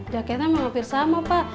jaketnya memang hampir sama pak